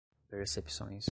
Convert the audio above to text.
percepções